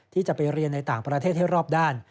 ที่จะไปเรียนในต่างประเทศให้รอบด้าน